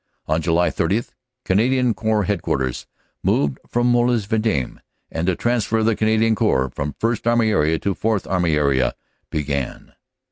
On July 30 Canadian Corps Headquarters moved to Molliens Vidame, and the transfer of the Canadian Corps from First Army area to Fourth Army area began.